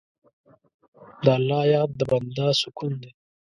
د الله یاد د بنده سکون دی.